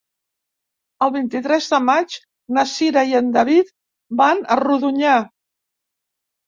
El vint-i-tres de maig na Cira i en David van a Rodonyà.